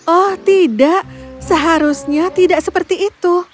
oh tidak seharusnya tidak seperti itu